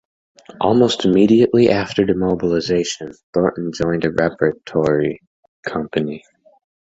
Almost immediately after demobilisation, Thornton joined a repertory company.